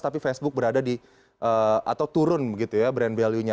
tapi facebook turun brand value nya